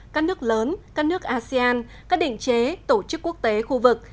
các nước lớn các nước asean các định chế tổ chức quốc tế khu vực